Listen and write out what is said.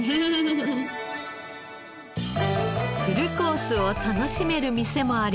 フルコースを楽しめる店もあります。